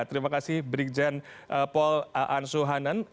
terima kasih brigjen paul aansu hanan